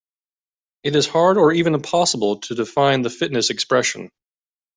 It is hard or even impossible to define the fitness expression.